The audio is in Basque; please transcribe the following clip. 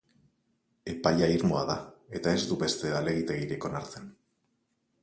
Epaia irmoa da, eta ez du beste helegiterik onartzen.